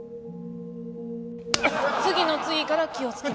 次の次から気をつけます。